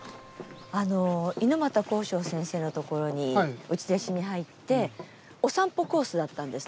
あの猪俣公章先生のところに内弟子に入ってお散歩コースだったんです。